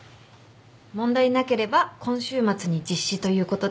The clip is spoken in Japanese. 問題なければ今週末に実施ということで。